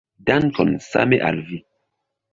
Dankon, same al vi!